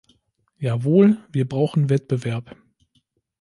Jawohl, wir brauchen Wettbewerb!